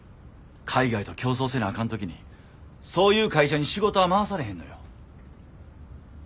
海外と競争せなあかん時にそういう会社に仕事は回されへんのよ。